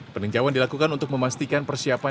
peninjauan dilakukan untuk memastikan persiapan